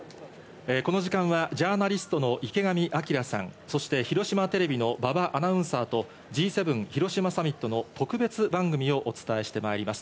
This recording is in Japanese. この時間はジャーナリストの池上彰さん、そして広島テレビの馬場アナウンサーとＧ７広島サミットの特別番組をお伝えしてまいります。